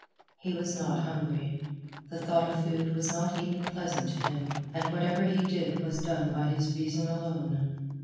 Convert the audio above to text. He was not hungry. The thought of food was not even pleasant to him, and whatever he did was done by his reason alone.